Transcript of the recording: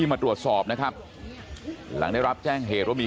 แล้วป้าไปติดหัวมันเมื่อกี้แล้วป้าไปติดหัวมันเมื่อกี้